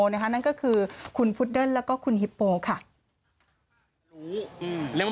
นั่นก็คือคุณพุดเดิ้ลแล้วก็คุณฮิปโปค่ะ